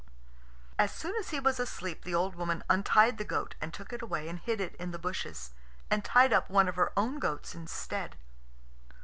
As soon as he was asleep the old woman untied the goat and took it away and hid it in the bushes, and tied up one of her own goats instead.